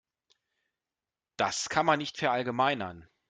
Das kann man nicht verallgemeinern.